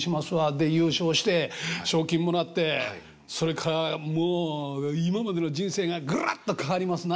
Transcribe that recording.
で優勝して賞金もらってそれからもう今までの人生がグルッと変わりますな。